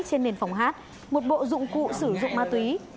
trên nền phòng hát một bộ dụng cụ sử dụng ma túy